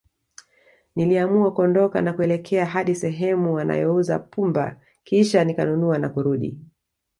Niliamua kuondoka na kuelekea hadi sehemu wanayouza pumba Kisha nikanunua na kurudi